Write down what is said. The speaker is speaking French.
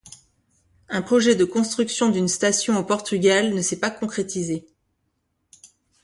Un projet de construction d'une station au Portugal ne s'est pas concrétisé.